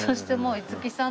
五木さん